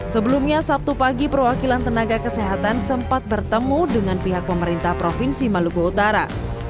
sebelumnya sabtu pagi perwakilan tenaga kesehatan sempat bertemu dengan pihak pemerintah provinsi maluku utara